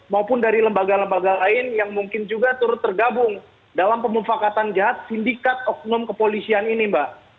maupun dari lembaga lembaga lain yang mungkin juga turut tergabung dalam pemufakatan jahat sindikat oknum kepolisian ini mbak